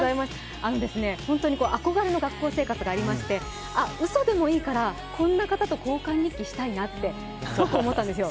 本当に憧れの学校生活がありましてうそでもいいから、こんな方と交換日記していなってすごく思ったんですよ。